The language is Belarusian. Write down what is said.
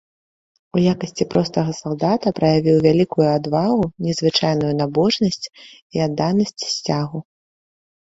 У якасці простага салдата праявіў вялікую адвагу, незвычайную набожнасць і адданасць сцягу.